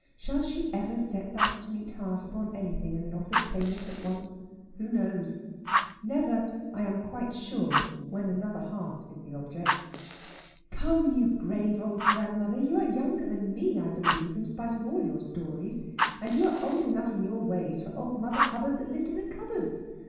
Shall she ever set that sweet heart upon anything, and not obtain it at once? Who knows? Never, I am quite sure, when another heart is the object. "Come, you grave old Grandmother. You are younger than me, I believe, in spite of all your stories; and you are old enough in your ways, for old mother Hubbard that lived in a cupboard.